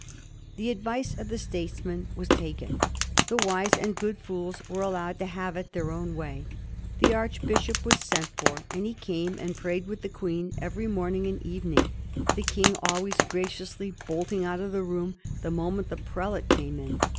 The advice of the statesman was taken. The wise and good fools were allowed to have it their own way. The archbishop was sent for, and he came and prayed with the Queen every morning and evening; the King always graciously bolting out of the room the moment the prelate came in.